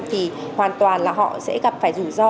thì hoàn toàn là họ sẽ gặp phải rủi ro